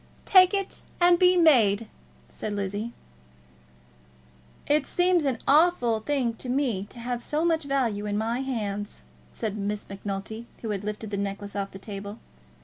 "Take it and be made," said Lizzie. "It seems an awful thing to me to have so much value in my hands," said Miss Macnulty, who had lifted the necklace off the table.